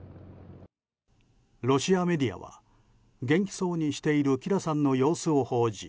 ロシアメディアは元気そうにしているキラさんの様子を報じ